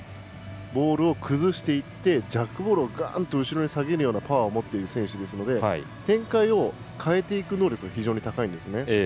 ボールを崩していってジャックボールをガーンと後ろに下げるようなパワーを持っている選手なので展開を変えていく能力が非常に高いんですね。